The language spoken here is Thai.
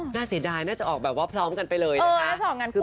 เสียดายน่าจะออกแบบว่าพร้อมกันไปเลยนะคะ